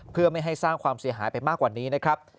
เพื่อไม่ให้สร้างความเสียหายไปมากกว่านี้นะครับ